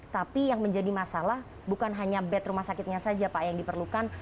tapi yang menjadi masalah bukan hanya bed rumah sakitnya saja pak yang diperlukan